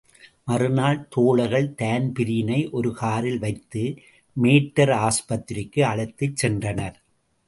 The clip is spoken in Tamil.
மறுநாள் தோழர்கள் தான்பிரீனை ஒரு காரில் வைத்து, மேட்டர் ஆஸ்பத்திரிக்கு அழைத்துக் சென்றனர்.